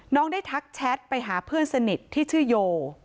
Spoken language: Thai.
ได้ทักแชทไปหาเพื่อนสนิทที่ชื่อโย